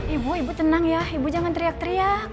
ibu ibu tenang ya ibu jangan teriak teriak